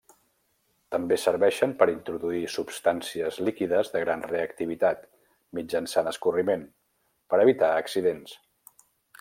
També serveixen per introduir substàncies líquides de gran reactivitat mitjançant escorriment, per evitar accidents.